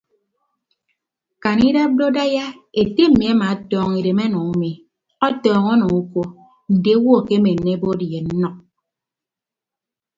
Kan idap do daiya ete emi amaatọọñ idem ọnọ umi ọtọọñ ọnọ uko nte owo akemenne ebot ye nnʌk.